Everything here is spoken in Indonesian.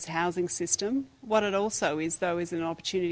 apa yang juga adalah peluang untuk kita berubah